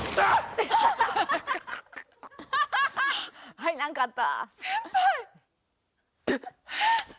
はいなんかあった！